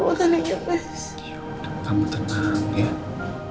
aku gak mau kira dengan reina kedua kalinya mas